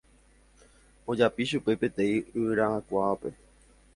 ojapi chupe peteĩ yvyra'akuápe